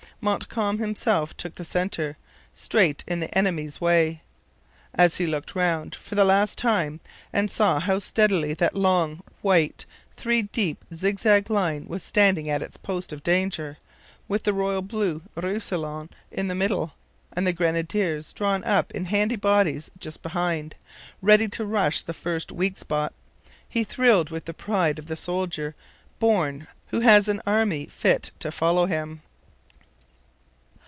Montcalm himself took the centre, straight in the enemy's way. As he looked round, for the last time, and saw how steadily that long, white, three deep, zigzag line was standing at its post of danger, with the blue Royal Roussillon in the middle, and the grenadiers drawn up in handy bodies just behind, ready to rush to the first weak spot, he thrilled with the pride of the soldier born who has an army fit to follow him.